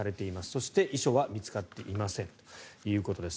そして遺書は見つかっていませんということです。